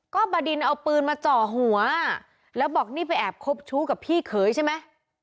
ก็บดินเอาปืนมาจ่อหัวแล้วบอกนี่ไปแอบคบชู้กับพี่เขยใช่ไหม